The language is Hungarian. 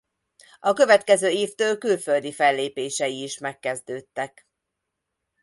A következő évtől külföldi fellépései is megkezdődtek.